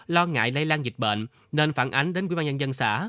lo ngại lây lan dịch bệnh nên phản ánh đến quỹ ban nhân dân xã